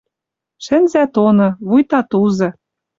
Шӹнзӓ тоны, вуйта тузы